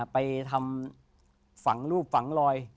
ไปทำฝังรูปฝังลอย